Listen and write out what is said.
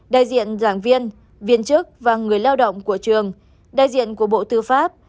đại diện giảng viên viên chức và người lao động của trường đại diện của bộ tư pháp